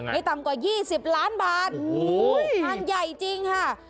ไม่ต่ำกว่า๒๐ล้านบาทงานใหญ่จริงค่ะ